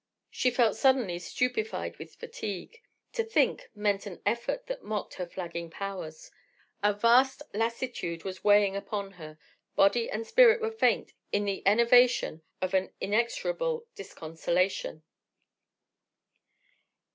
She felt suddenly stupefied with fatigue. To think meant an effort that mocked her flagging powers. A vast lassitude was weighing upon her, body and spirit were faint in the enervation of an inexorable disconsolation.